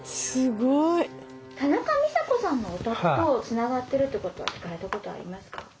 すごい！田中美佐子さんのお宅とつながってるってことは聞かれたことありますか？